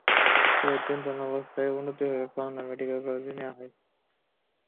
পরে তিনজনের অবস্থার অবনতি হলে খুলনা মেডিকেল কলেজ হাসপাতালে নেওয়া হয়েছে।